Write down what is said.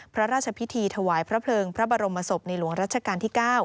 พระราชพิธีถวายพระเพลิงพระบรมศพในหลวงรัชกาลที่๙